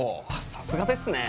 さすがですね。